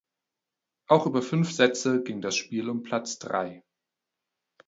Auch über fünf Sätze ging das Spiel um Platz drei.